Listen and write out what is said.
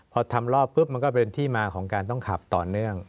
พอทำรอบปุ๊บมันก็เป็นที่มาของการต้องขับต่อเนื่อง